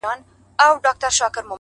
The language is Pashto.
• خپل ګودر ورته عادت وي ورښودلی ,